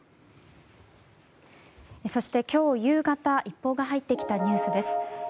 そして、今日夕方一報が入ってきたニュースです。